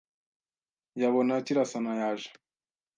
Yabona Kirasana yaje